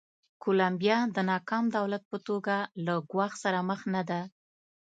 کولمبیا د ناکام دولت په توګه له ګواښ سره مخ نه ده.